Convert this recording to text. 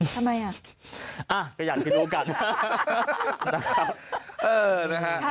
ทำไมอ่ะอ่ะก็อย่างนี้โอกาสนะครับเออนะฮะ